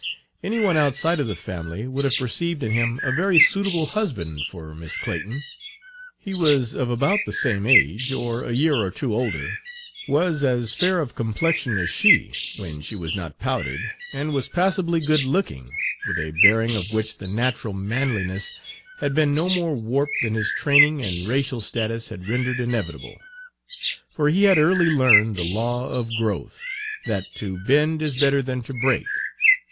Any one outside of the family would have perceived in him a very suitable husband for Miss Clayton; he was of about the same age, or a year or two older, was as fair of complexion as she, when she was not powdered, and was passably good looking, with a bearing of which the natural manliness had been no more warped than his training and racial status had rendered inevitable; for he had early learned the law of growth, that to bend is better than to break.